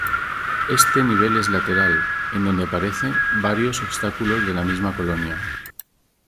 Este nivel es lateral, en donde aparece varios obstáculos de la misma colonia.